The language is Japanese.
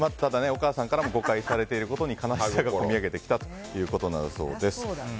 お母さんからも誤解されていることに悲しさがこみ上げてきたということだそうです。